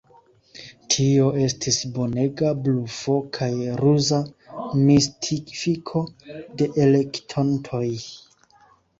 Tio estis bonega blufo kaj ruza mistifiko de elektontoj.